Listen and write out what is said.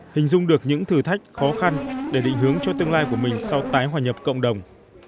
hình dung được những thử thách khó khăn để định hướng cho tương lai của mình sau tái hòa nhập cộng đồng